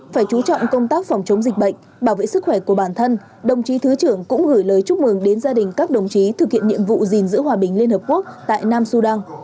phải chú trọng công tác phòng chống dịch bệnh bảo vệ sức khỏe của bản thân đồng chí thứ trưởng cũng gửi lời chúc mừng đến gia đình các đồng chí thực hiện nhiệm vụ gìn giữ hòa bình liên hợp quốc tại nam sudan